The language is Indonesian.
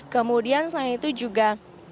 kemudian selain itu juga